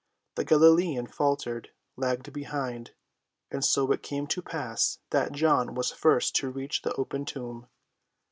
The Galilean faltered, lagged behind. And so it came to pass that John was first to reach the open tomb.